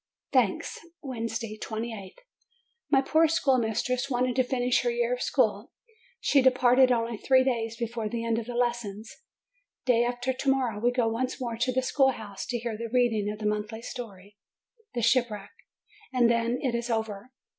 THANKS Wednesday, 28th. My poor schoolmistress wanted to finish her year of school : she departed only three days before the end of the lessons. Day after to morrow we go once more to the schoolroom to hear the reading of the monthly story, The Shipwreck, and then it is over.